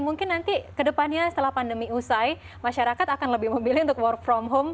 mungkin nanti kedepannya setelah pandemi usai masyarakat akan lebih memilih untuk work from home